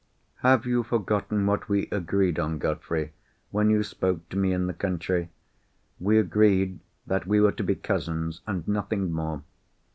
"Have you forgotten what we agreed on, Godfrey, when you spoke to me in the country? We agreed that we were to be cousins, and nothing more."